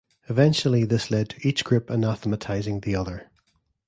Eventually this led to each group anathematizing the other.